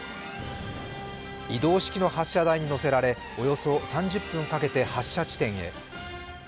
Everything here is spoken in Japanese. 移動式の発射台に載せられおよそ３０分かけて発射地点へ。